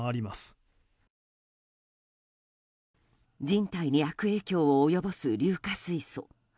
人体に悪影響を及ぼす硫化水素。